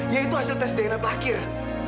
yaitu hasil tes dna terakhir